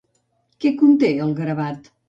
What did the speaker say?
Què conté el gravat?